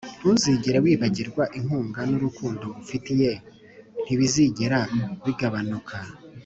ntuzigere wibagirwa, inkunga nurukundo ngufitiye ntibizigera bigabanuka.